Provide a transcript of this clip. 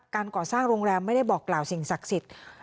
ก่อสร้างโรงแรมไม่ได้บอกกล่าวสิ่งศักดิ์สิทธิ์